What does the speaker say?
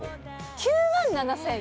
９万７０００？